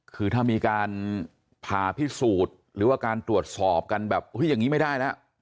คือถ้ามีการผ่าพิสูจน์หรือว่าการตรวจสอบกันแบบเฮ้ยอย่างนี้ไม่ได้แล้ว